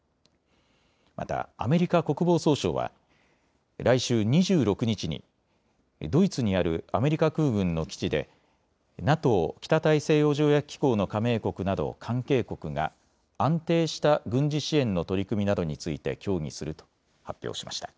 またアメリカ国防総省は来週２６日にドイツにあるアメリカ空軍の基地でＮＡＴＯ・北大西洋条約機構の加盟国など関係国が安定した軍事支援の取り組みなどについて協議すると発表しました。